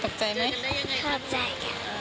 ตกใจไหม